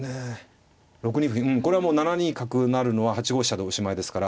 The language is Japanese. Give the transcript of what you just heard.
６二歩うんこれはもう７二角成るのは８五飛車でおしまいですから。